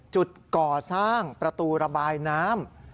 จุดก่อสร้างประตูระบายน้ำ